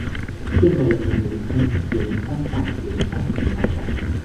现在人们仍称仁川站为下仁川站。